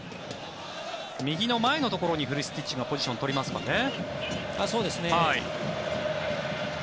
右の前のところにフルスティッチがポジションを取りますかね。